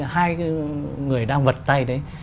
hai người đang vật tay đấy